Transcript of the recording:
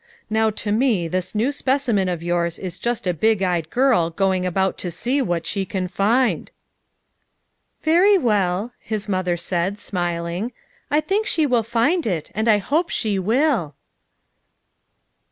Now to me this new speci men of yours is just a big eyed girl going about to see what she can find." "Very well," his mother said, smiling, "I think she will find it, and I hope she will."